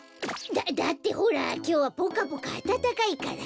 だだってほらきょうはぽかぽかあたたかいから。